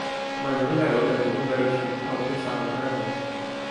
Uma jovem garota ajuda um garotinho a obter sabão para as mãos.